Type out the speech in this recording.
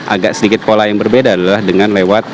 agak sedikit pola yang berbeda adalah dengan lewat